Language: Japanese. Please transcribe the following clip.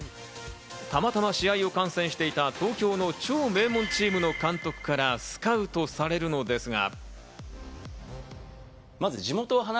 たまたま試合を観戦していた東京の超名門チームの監督からスカウトされるのですが。